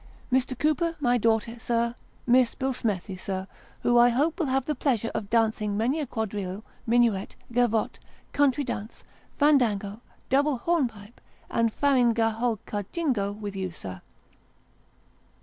Mr. Cooper, my daughter, sir Miss Billsmethi, sir, who I hope will have the pleasure of dancing many a quadrille, minuet, gavotte, country dance, fandango, double hornpipe, and farinagholkajingo with you, sir.